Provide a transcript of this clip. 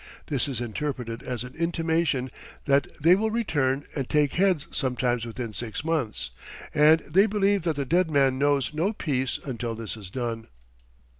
This is interpreted as an intimation that they will return and take heads sometime within six months, and they believe that the dead man knows no peace until this is done."